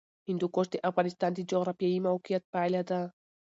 هندوکش د افغانستان د جغرافیایي موقیعت پایله ده.